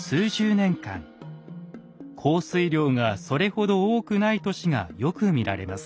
降水量がそれほど多くない年がよく見られます。